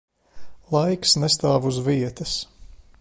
Laiks nestāv uz vietas.